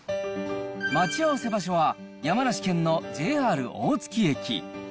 待ち合わせ場所は、山梨県のＪＲ大月駅。